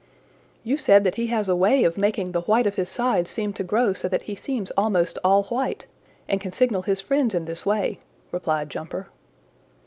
"You said that he has a way of making the white of his sides seem to grow so that he seems almost all white, and can signal his friends in this way," replied Jumper.